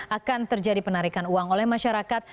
akan terjadi penarikan uang oleh masyarakat